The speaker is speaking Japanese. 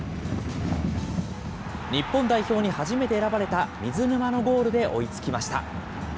日本代表に初めて選ばれた水沼のゴールで追いつきました。